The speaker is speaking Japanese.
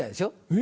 え？